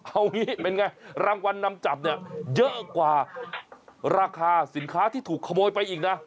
เอางี้เป็นไงรางวัลนำจับเนี่ยเยอะกว่าราคาสินค้าที่ถูกขโมยไปอีกนะ